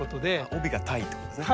「帯」が「帯」ってことですね。